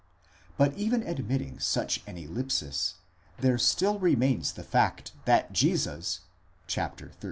But even admitting such an ellipsis, there still remains the fact that Jesus (xiii.